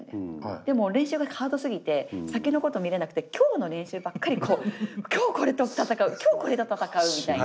でも練習がハードすぎて先のこと見れなくて今日の練習ばっかりこう今日はこれと闘う今日はこれと闘うみたいな。